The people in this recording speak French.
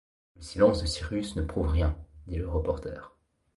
Le silence de Cyrus ne prouve rien, dit le reporter.